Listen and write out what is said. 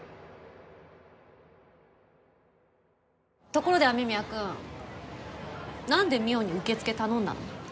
ところで雨宮くんなんで望緒に受付頼んだの？